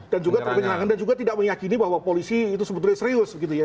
dan juga terpenyerangan dan juga tidak meyakini bahwa polisi itu sebetulnya serius begitu ya